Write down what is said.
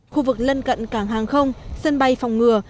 khu vực lân cận cảng hàng không sân bay phòng ngừa